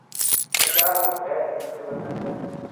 تو کیا وہ غیر محب وطن ہے؟